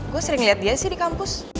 gue sering lihat dia sih di kampus